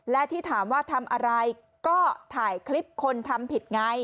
และที่ถามว่าทำอะไรก็ถ่ายคลิปคนทำผิดไง